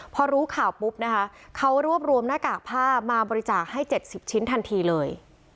พอรู้ข่าวปุ๊บนะคะเขารวบรวมหน้ากากผ้ามาบริจาคให้๗๐ชิ้นทันทีเลย